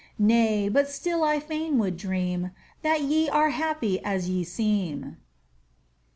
Nay but still I fain would dream That ye are happy as ye seem.